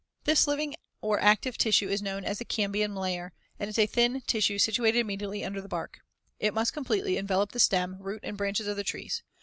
] This living or active tissue is known as the "cambium layer," and is a thin tissue situated immediately under the bark. It must completely envelop the stem, root and branches of the trees.